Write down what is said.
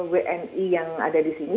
wni yang ada di sini